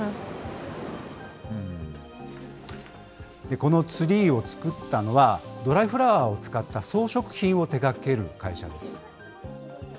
このツリーを作ったのは、ドライフラワーを使った装飾品を手がける会社です。